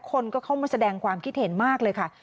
คนก็เข้ามาแสดงความคิดเห็นมากเลยค่ะ